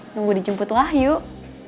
nunggu dijemput lah yuk